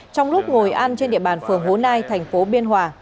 trong lúc ngồi ăn trên địa bàn phường hố nai thành phố biên hòa